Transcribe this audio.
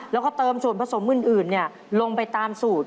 แล้วก็เติมส่วนผสมอื่นลงไปตามสูตร